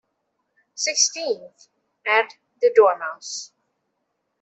‘Sixteenth,’ added the Dormouse.